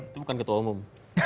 itu bukan ketua umum